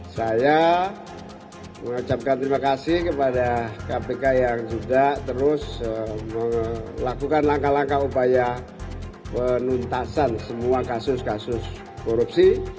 saya mengucapkan terima kasih kepada kpk yang sudah terus melakukan langkah langkah upaya penuntasan semua kasus kasus korupsi